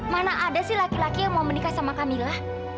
mana ada sih laki laki yang mau menikah sama kamila